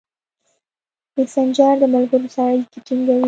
مسېنجر د ملګرو سره اړیکې ټینګوي.